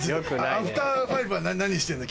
アフター５は何してんの？